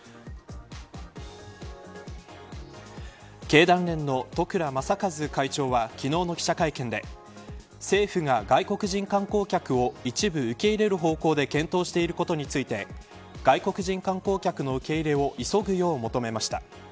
経団連の十倉雅和会長は昨日の記者会見で政府が外国人観光客を一部受け入れる方向で検討していることについて外国人観光客の受け入れを急ぐよう求めました。